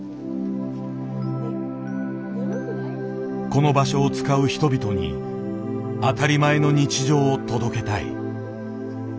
この場所を使う人々に「当たり前の日常」を届けたい。